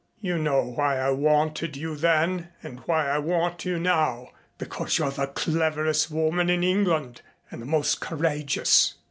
"You know why I wanted you then, and why I want you now because you're the cleverest woman in England, and the most courageous."